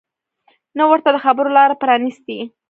نه ورته د خبرو لاره پرانیستې